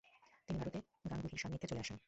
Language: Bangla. তিনি ভারতে গাঙ্গুহির সান্নিধ্যে চলে আসেন।